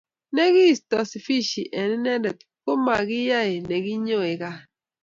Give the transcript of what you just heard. Nekiisto Sifichi eng Inendet komakiyai nekinyoe gat